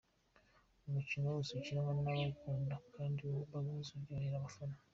Umukino wose ukinwa n’abawukunda kandi bawuzi uryohera abafana.